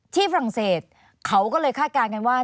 ฝรั่งเศสเขาก็เลยคาดการณ์กันว่า